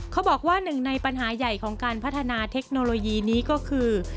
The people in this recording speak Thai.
เขาบอกว่าหนึ่งในปัญหาใหญ่ของการพัฒนาเทคโนโลยีนี้ก็คือ